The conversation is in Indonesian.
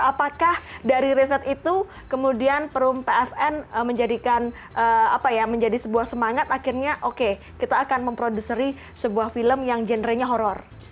apakah dari riset itu kemudian perum pfn menjadikan apa ya menjadi sebuah semangat akhirnya oke kita akan memproduseri sebuah film yang genre nya horror